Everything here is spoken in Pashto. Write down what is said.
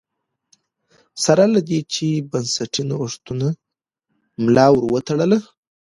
سره له دې چې بنسټي نوښتونو ملا ور وتړله